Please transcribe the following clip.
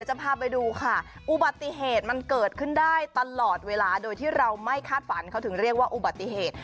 จะพาไปดูค่ะอุบัติเหตุมันเกิดขึ้นได้ตลอดเวลาโดยที่เราไม่คาดฝันเขาถึงเรียกว่าอุบัติเหตุ